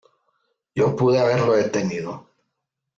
Yo pude haberlo detenido.